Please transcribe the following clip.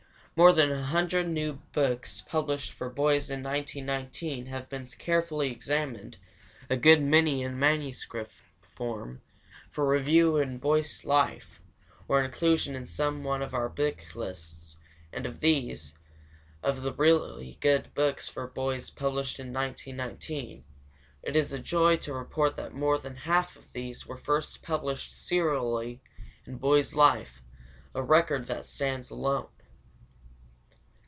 More than 100 new books published for boys in 1919 have been carefully examined (a good many in manuscript form) for review in Boys' Life or inclusion in some one of our book lists and, of these, of the few really good books for boys published in 1919, it is a joy to report that more than half of these were first published serially in Boys' Life, a record that stands alone.